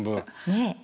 ねえ。